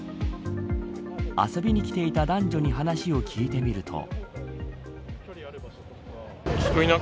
遊びに来ていた男女に話を聞いてみると。